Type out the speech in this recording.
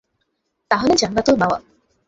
তাহলে জান্নাতুল মাওয়া।